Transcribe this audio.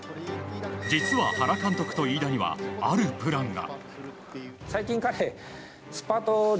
実は、原監督と飯田にはあるプランが。